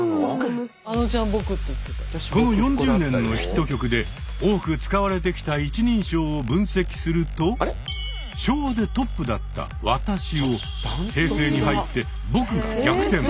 この４０年のヒット曲で多く使われてきた一人称を分析すると昭和でトップだった「わたし」を平成に入って「ぼく」が逆転。